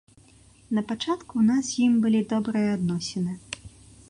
На пачатку ў нас з ім былі добрыя адносіны.